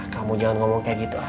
kamu jangan ngomong kayak gitu